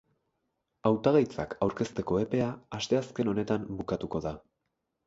Hautagaitzak aurkezteko epea asteazken honetan bukatuko da.